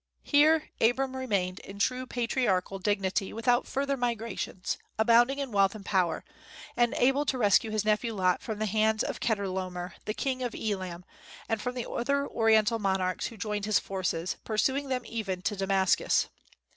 Here Abram remained in true patriarchal dignity without further migrations, abounding in wealth and power, and able to rescue his nephew Lot from the hands of Chedorlaomer the King of Elam, and from the other Oriental monarchs who joined his forces, pursuing them even to Damascus.